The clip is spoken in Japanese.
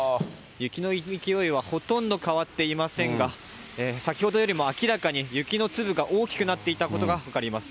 雪の勢いはほとんど変わっていませんが、先ほどよりも明らかに雪の粒が大きくなっていたことが分かります。